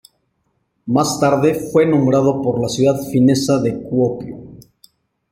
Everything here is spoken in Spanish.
Más tarde fue nombrado por la ciudad finesa de Kuopio.